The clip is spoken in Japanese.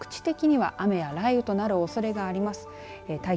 あすも局地的には雨や雷雨となるおそれがあります。